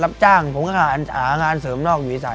รับจ้างผมก็หางานเสริมนอกอยู่สาย